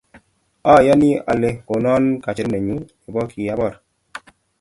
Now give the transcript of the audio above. Ayani ale konon kacherunenyu nepo key abor.